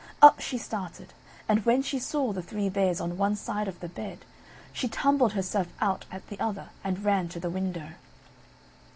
Up she started; and when she saw the Three Bears on one side of the bed, she tumbled herself out at the other, and ran to the window.